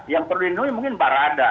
yang perlu dilindungi mungkin barada